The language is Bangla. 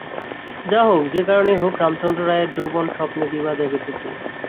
যাহা হউক, যে-কারণেই হউক রামচন্দ্র রায়ের যৌবন-স্বপ্নে বিভা জাগিতেছিল।